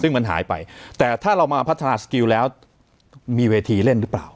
ซึ่งมันหายไปแต่ถ้าเรามาพัฒนาสกิลแล้วมีเวทีเล่นหรือเปล่า